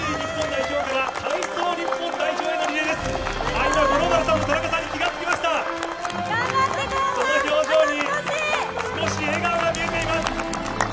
その表情に少し笑顔が見えています。